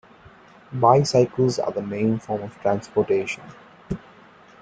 Bicycles are the main form of transportation.